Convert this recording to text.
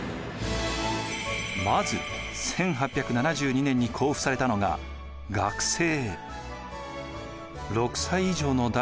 まず１８７２年に公布されたのが学制。